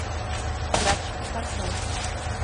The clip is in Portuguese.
gratificação